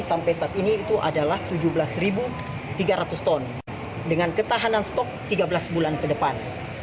ketahanan stok di kampesat ini adalah tujuh belas tiga ratus ton dengan ketahanan stok tiga belas bulan ke depan